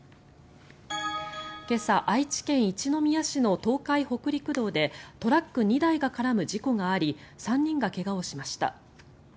今朝、愛知県一宮市の東海北陸道でトラック２台が絡む事故があり３人が怪我をしました。